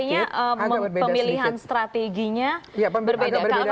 artinya pemilihan strateginya berbeda